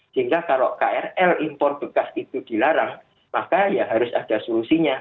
sehingga kalau krl impor bekas itu dilarang maka ya harus ada solusinya